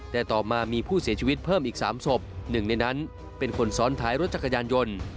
แต่ต่อมามีผู้เสียชีวิตเพิ่มอีก๓ศพหนึ่งในนั้นเป็นคนซ้อนท้ายรถจักรยานยนต์